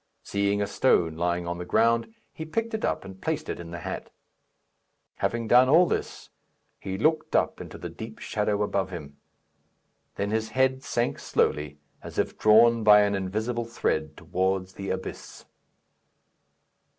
Seeing a stone lying on the ground, he picked it up and placed it in the hat. Having done all this, he looked up into the deep shadow above him. Then his head sank slowly, as if drawn by an invisible thread towards the abyss.